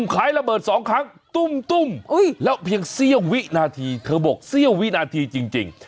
คล้ายระเบิด๒ครั้งตุ้มแล้วเพียงเสี้ยววินาทีเธอบอกเสี้ยววินาทีจริง